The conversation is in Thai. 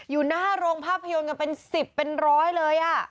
อยู่หน้าโรงภาพยนตร์กันเป็น๑๐เป็นร้อยเลย